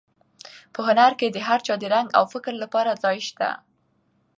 په هنر کې د هر چا د رنګ او فکر لپاره ځای شته دی.